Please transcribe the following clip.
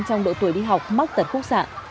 trong độ tuổi đi học mắc tật khúc sạn